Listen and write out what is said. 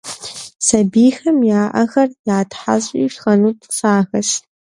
Сабийхэм я ӏэхэр ятхьэщӏри шхэну тӏысахэщ.